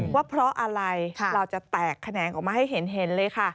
ว่าเพราะอะไรเราจะแตกแขนงออกมาให้เห็นเลยค่ะ